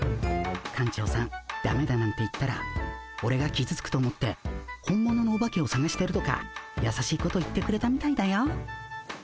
館長さん「ダメだ」なんて言ったらオレがきずつくと思って本物のオバケをさがしてるとかやさしいこと言ってくれたみたいだよ。